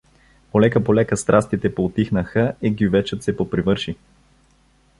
Полека-полека страстите поутихнаха и гювечът се попривърши.